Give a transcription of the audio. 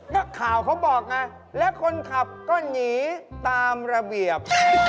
นักข่าวเขาบอกไงและคนขับก็หนีตามระเบียบ